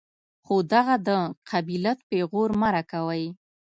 خو دغه د قبيلت پېغور مه راکوئ.